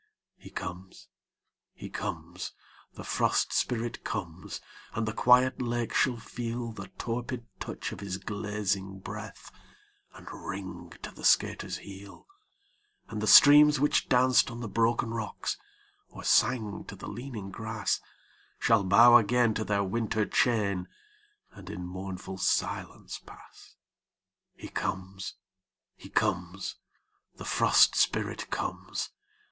He comes, he comes, the Frost Spirit comes and the quiet lake shall feel The torpid touch of his glazing breath, and ring to the skater's heel; And the streams which danced on the broken rocks, or sang to the leaning grass, Shall bow again to their winter chain, and in mournful silence pass. He comes, he comes, the Frost Spirit comes!